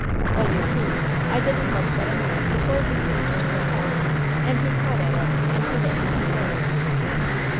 Well, you see, I didn't look but a minute before he seemed to wake up, and he caught at it and hid it in his clothes.